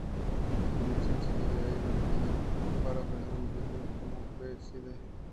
Es el primer sencillo de Iron Maiden para ofrecer un vídeo como un B-side.